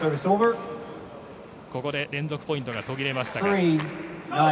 ここで連続ポイントが途切れましたが。